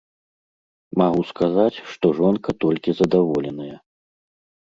Магу сказаць, што жонка толькі задаволеная.